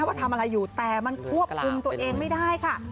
ว่าทำอะไรอยู่แต่มันควบคุมตัวเองไม่ได้ค่ะ